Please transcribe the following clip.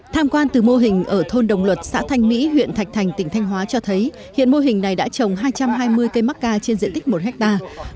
tham quan từ mô hình ở thôn đồng luật xã thanh mỹ huyện thạch thành tỉnh thanh hóa cho thấy hiện mô hình này đã trồng hai trăm hai mươi cây mắc ca trên diện tích một hectare